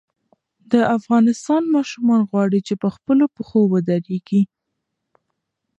د افغانستان ماشومان غواړي چې په خپلو پښو ودرېږي.